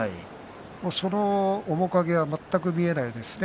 その面影は全く見えないですね